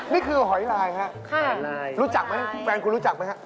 นี่คือหอยลายครับรู้จักไหมแฟนคุณรู้จักไหมครับ